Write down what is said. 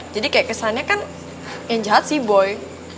jadi kayak kesannya kan yang jahat si boy